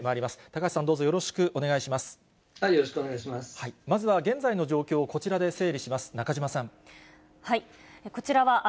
まずは現在の状況をこちらで